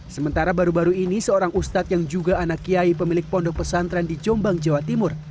sementara baru baru ini seorang ustadz yang juga anak kiai pemilik pondok pesantren di jombang jawa timur